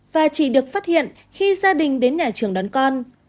và chỉ được phát hiện khi gia đình đến nhà trường đón con